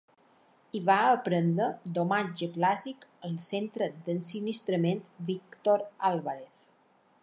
I va aprendre domatge clàssic al Centre d'Ensinistrament Víctor Álvarez.